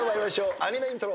アニメイントロ。